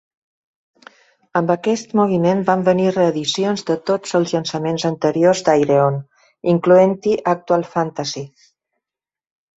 Amb aquest moviment van venir reedicions de tots els llançaments anteriors d'Ayreon, incloent-hi "Actual Fantasy".